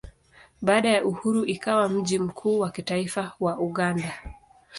Baada ya uhuru ikawa mji mkuu wa kitaifa wa Uganda.